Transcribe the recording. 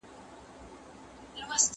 چي سر دي نه خوږېږي، داغ مه پر ايږده.